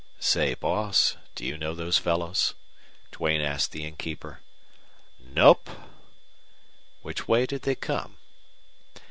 "Say, boss, do you know those fellows?" Duane asked the innkeeper. "Nope." "Which way did they come?"